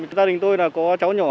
gia đình tôi có cháu nhỏ